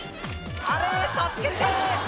「あれ助けて！」